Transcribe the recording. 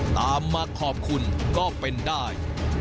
ตามมาขอบคุณก็เป็นได้